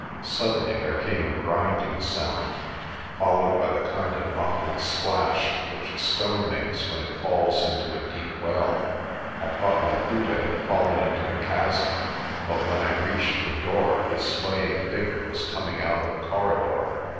Suddenly there came a grinding sound, followed by the kind of muffled splash which a stone makes when it falls into a deep well. I thought Laputa had fallen into the chasm, but when I reached the door his swaying figure was coming out of the corridor.